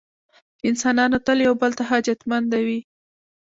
انسانان تل یو بل ته حاجتمنده وي.